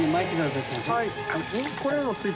はい。